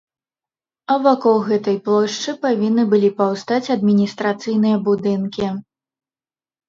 А вакол гэтай плошчы павінны былі паўстаць адміністрацыйныя будынкі.